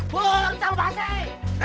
pur cang basi